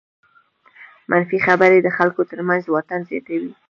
منفي خبرې د خلکو تر منځ واټن زیاتوي.